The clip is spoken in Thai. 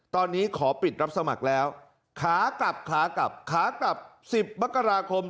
ตอนนี้ขอปิดรับสมัครแล้วขากลับขากลับขากลับ๑๐มกราคม